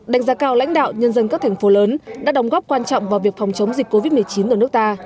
đánh giá cao lãnh đạo nhân dân các thành phố lớn đã đồng góp quan trọng vào việc phòng chống dịch covid một mươi chín ở nước ta